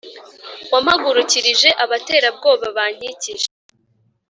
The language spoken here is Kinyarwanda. Wampagurukirije abaterabwoba bankikije,